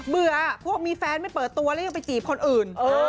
พวกมีแฟนไม่เปิดตัวแล้วยังไปจีบคนอื่น